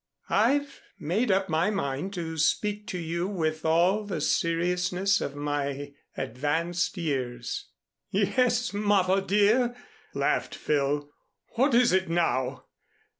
I've made up my mind to speak to you with all the seriousness of my advanced years." "Yes, Mother, dear," laughed Phil. "What is it now?